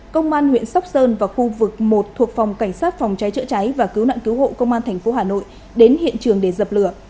công an huyện sóc sơn và khu vực một thuộc phòng cảnh sát phòng cháy chữa cháy và cứu nạn cứu hộ công an tp hà nội đến hiện trường để dập lửa